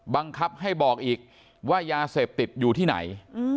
บังคับให้บอกอีกว่ายาเสพติดอยู่ที่ไหน